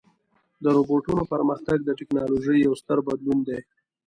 د روبوټونو پرمختګ د ټکنالوژۍ یو ستر بدلون دی.